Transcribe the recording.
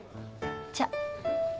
じゃあ！